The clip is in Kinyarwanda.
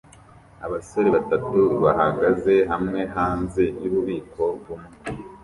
Abasore batatu bahagaze hamwe hanze yububiko bumwe